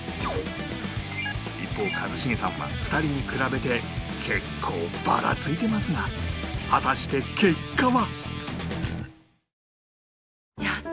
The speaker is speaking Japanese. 一方一茂さんは２人に比べて結構バラついてますが果たして結果は！？